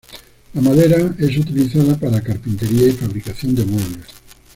La madera es utilizada para carpintería y fabricación de muebles.